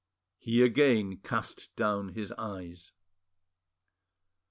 He again cast down his eyes.